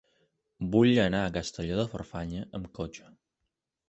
Vull anar a Castelló de Farfanya amb cotxe.